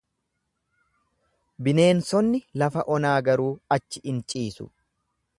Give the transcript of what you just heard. Bineensonni lafa onaa garuu achi in ciisu.